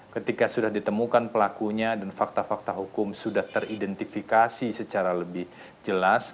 ketika sudah ditemukan pelakunya dan fakta fakta hukum sudah teridentifikasi secara lebih jelas